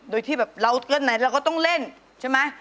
โดยที่แบบเราก็ไหนเราก็ต้องเล่นใช่ไหม